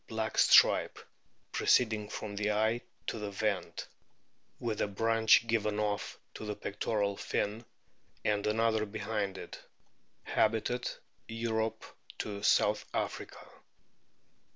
DOLPHINS 261 black stripe proceeding from the eye to the vent, with a branch given off to the pectoral fin and another behind it. Hab., Europe to South Africa.